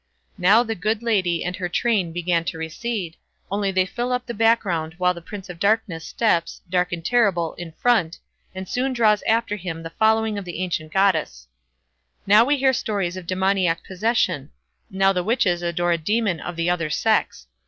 Now the "Good Lady" and her train begin to recede, they only fill up the background while the Prince of Darkness steps, dark and terrible, in front, and soon draws after him the following of the ancient goddess. Now we hear stories of demoniac possession; now the witches adore a demon of the other sex.